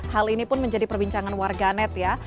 hal ini pun menjadi perbincangan warganet ya